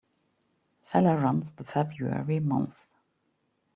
Feller runs the February months.